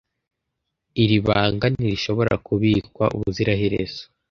Iri banga ntirishobora kubikwa ubuziraherezo.